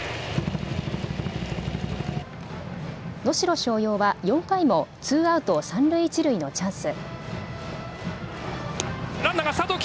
能代松陽は４回もツーアウト三塁一塁のチャンス。